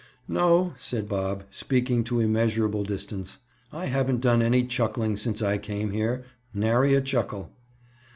"No," said Bob, speaking to immeasurable distance, "I haven't done any chuckling since I came here. Nary a chuckle!"